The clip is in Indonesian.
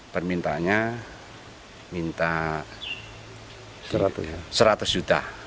permintaannya minta seratus juta